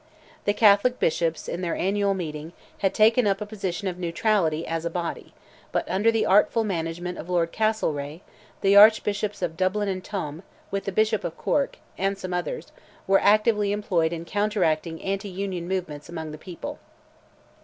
The Catholic bishops, in their annual meeting, had taken up a position of neutrality as a body, but under the artful management of Lord Castlereagh, the Archbishops of Dublin and Tuam, with the Bishop of Cork, and some others, were actively employed in counteracting anti Union movements among the people.